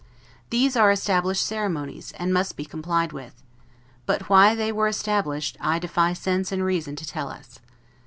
These are established ceremonies, and must be complied with: but why thev were established, I defy sense and reason to tell us.